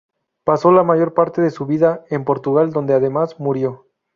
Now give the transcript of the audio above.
Pasó la mayor parte de su vida en Portugal, donde además murió.